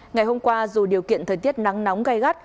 ngày hôm qua dù điều kiện thời tiết nắng nóng gai gắt